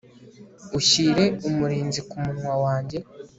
ushyire umurinzi ku munwa wanjye